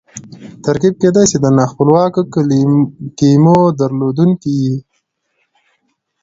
ترکیب کېدای سي د نا خپلواکو کیمو درلودونکی يي.